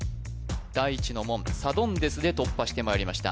第一の門サドンデスで突破してまいりました